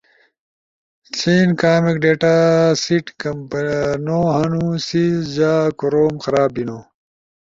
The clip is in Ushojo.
چین کامک ڈیٹا سیٹ کمپنو ہنُو، سی جا کوروم خراب بیِنو